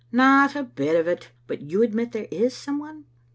" Not a bit of it. But you admit there is some one?"